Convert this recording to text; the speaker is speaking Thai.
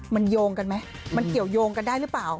มันโยงกันไหมมันเกี่ยวยงกันได้หรือเปล่า